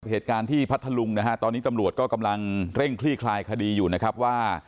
เหตุการณ์ที่พัทธลุงนะฮะตอนนี้ตำรวจก็กำลังเร่งคลี่คลายคดีอยู่นะครับว่า